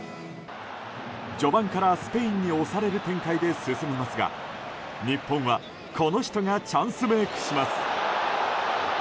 序盤からスペインに押される展開で進みますが日本はこの人がチャンスメイクします。